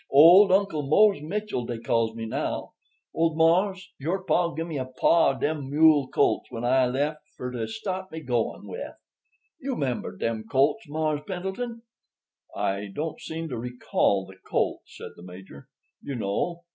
Old Uncle Mose Mitchell, dey calls me now. Old mars', your pa, gimme a pah of dem mule colts when I lef' fur to staht me goin' with. You 'member dem colts, Mars' Pendleton?" "I don't seem to recall the colts," said the Major. "You know.